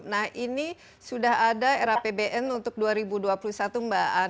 nah ini sudah ada era pbn untuk dua ribu dua puluh satu mbak